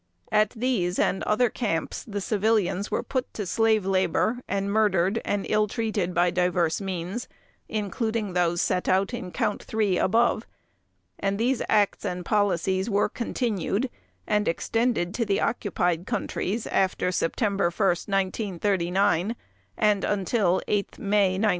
At these and other camps the civilians were put to slave labor, and murdered and ill treated by divers means, including those set out in Count Three above, and these acts and policies were continued and extended to the occupied countries after 1 September 1939, and until 8 May 1945.